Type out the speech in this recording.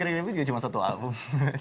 craig david juga cuma satu album